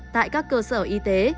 tại các cơ sở y tế